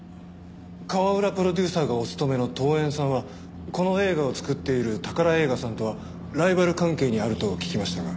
川浦プロデューサーがお勤めの東演さんはこの映画を作っている宝映画さんとはライバル関係にあると聞きましたが。